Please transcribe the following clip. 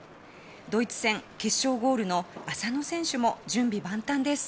ドイツ戦、決勝ゴールの浅野選手も準備万端です。